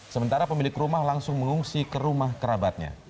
sementara pemilik rumah langsung mengungsi ke rumah kerabatnya